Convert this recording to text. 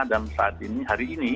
saat ini hari ini